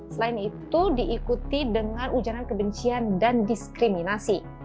selain itu diikuti dengan ujaran kebencian dan diskriminasi